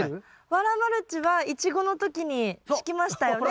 ワラマルチはイチゴの時に敷きましたよね。